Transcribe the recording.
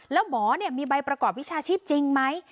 แล้วหมอมีใบประกอบวิชาชีพจริงไหม